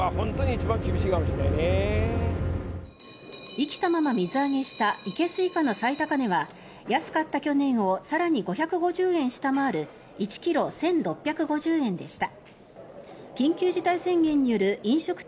生きたまま水揚げしたいけすイカの最高値は安かった去年を更に５５０円下回る１ｋｇ１６５０円でした。